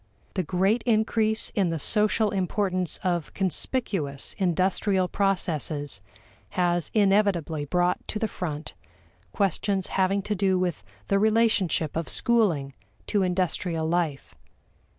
The great increase in the social importance of conspicuous industrial processes has inevitably brought to the front questions having to do with the relationship of schooling to industrial life.